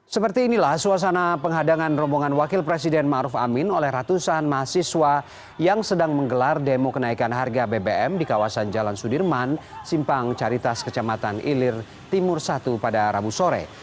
seperti inilah suasana penghadangan rombongan wakil presiden maruf amin oleh ratusan mahasiswa yang sedang menggelar demo kenaikan harga bbm di kawasan jalan sudirman simpang caritas kecamatan ilir timur satu pada rabu sore